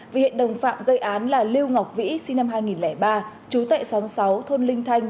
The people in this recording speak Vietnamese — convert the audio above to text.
vì hiện đồng phạm gây án là lưu ngọc vĩ sinh năm hai nghìn ba chú tệ xóng sáu thôn linh thanh